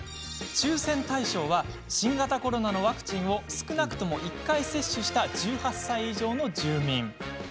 抽せん対象は新型コロナのワクチンを少なくとも１回接種した１８歳以上の住民。